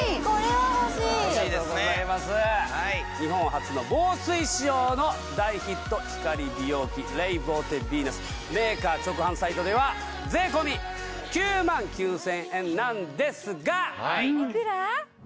はいありがとうございます日本初の防水仕様の大ヒット光美容器レイボーテヴィーナスメーカー直販サイトでは税込９万９０００円なんですがはいいくら？